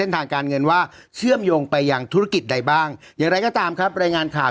ทางการเงินว่าเชื่อมโยงไปยังธุรกิจใดบ้างอย่างไรก็ตามครับรายงานข่าว